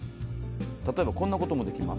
例えばこんなこともできます。